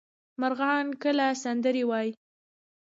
مرغان کله سندرې وايي؟